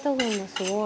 すごい。